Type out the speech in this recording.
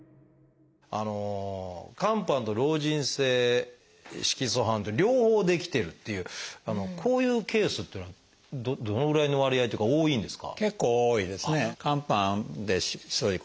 肝斑と老人性色素斑と両方出来てるっていうこういうケースっていうのはどのぐらいの割合というか多いんですか？